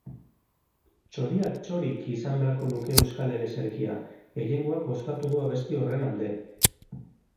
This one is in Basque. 'Txoriak txori'-k izan beharko luke euskal ereserkia; gehiengoak bozkatu du abesti horren alde.